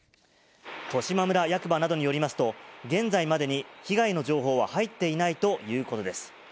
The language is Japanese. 十島村役場などによりますと、現在までに被害の情報は入っていないということです。